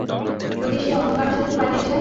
যদি সে অন্য কারো সাথে পালিয়ে যায়?